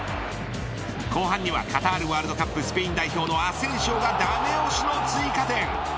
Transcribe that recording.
後半にはカタールワールドカップスペイン代表のアセンシオがダメ押しの追加点。